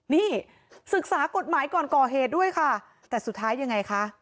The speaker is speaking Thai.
นี่ศึกษากฎหมายก่อนก่อเหตุด้วยค่ะแต่สุดท้ายยังไงคะ